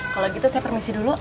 kalau gitu saya permisi dulu